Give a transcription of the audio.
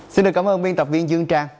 xin được cảm ơn viên tập viên dương trang